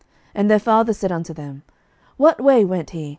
11:013:012 And their father said unto them, What way went he?